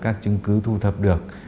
các chứng cứ thu thập được